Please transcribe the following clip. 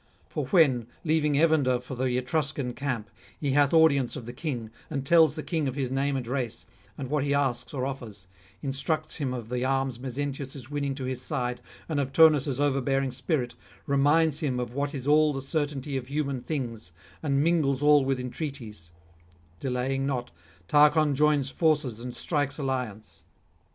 For when, leaving Evander for the Etruscan camp, he hath audience of the king, and tells the king of his name and race, and what he asks or offers, instructs him of the arms Mezentius is winning to his side, and of Turnus' overbearing spirit, reminds him what is all the certainty of human things, and mingles all with entreaties; delaying not, Tarchon joins forces and strikes alliance.